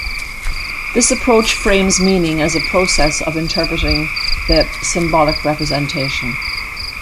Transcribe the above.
This approach frames 'meaning' as a process of interpreting the symbolic representation.